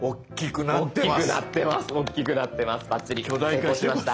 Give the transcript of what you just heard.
成功しました。